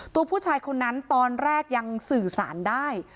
ตัวผู้ชายคนนั้นตอนแรกยังสื่อสารได้